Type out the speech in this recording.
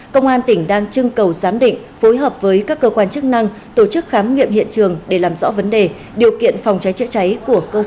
công an tỉnh đang trưng cầu giám định phối hợp với các cơ quan chức năng tổ chức khám nghiệm hiện trường để làm rõ vấn đề điều kiện phòng cháy chữa cháy của cơ sở